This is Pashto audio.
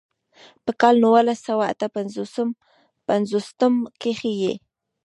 پۀ کال نولس سوه اتۀ پنځوستم کښې ئې